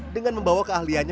dengan membawa keahlianya